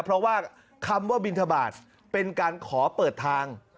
เพราะว่าคำว่าบินทบาทเป็นการขอเปิดทาง